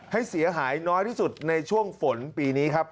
ให้เสียหายน้อยที่สุดในช่วงฝนปีนี้ครับ